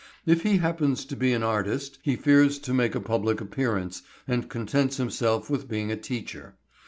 If he happens to be an artist he fears to make a public appearance, and contents himself with being a teacher.